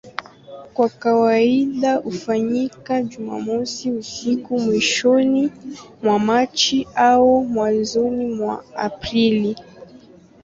Kwa kawaida hufanyika Jumamosi usiku mwishoni mwa Machi au mwanzoni mwa Aprili.